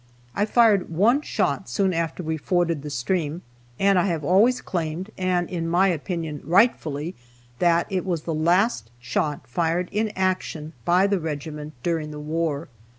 I fired one shot soon after we forded the stream, and I have always claimed, and, in my opinion, rightfully, that it was the last shot fired in action by the regiment during the war.